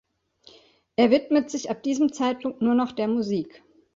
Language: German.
Er widmete sich ab diesem Zeitpunkt nur noch der Musik.